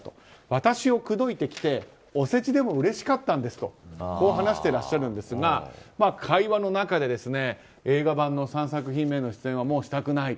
私を口説いてきてお世辞でもうれしかったんですとこう話していらっしゃるんですが会話の中で映画版の３作品目への出演はもうしたくない。